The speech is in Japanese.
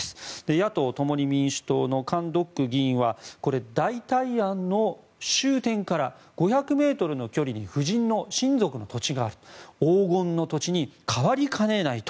野党・共に民主党のカン・ドック議員はこれ、代替案の終点から５００ｍの距離に夫人の親族の土地がある黄金の土地に変わりかねないと。